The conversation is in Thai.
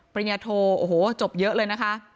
ปริญญาโทโอ้โหจบเยอะเลยนะคะ